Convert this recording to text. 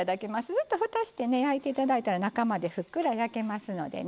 ずっとふたして焼いて頂いたら中までふっくら焼けますのでね。